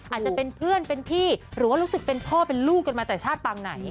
อาจจะเป็นเพื่อนเป็นพี่หรือว่ารู้สึกเป็นพ่อเป็นลูกกันมาแต่ชาติปางไหน